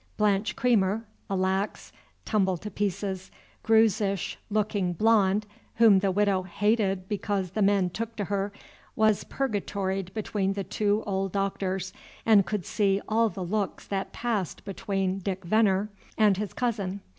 Blanche Creamer, a lax, tumble to pieces, Greuze ish looking blonde, whom the Widow hated because the men took to her, was purgatoried between the two old Doctors, and could see all the looks that passed between Dick Venner and his cousin.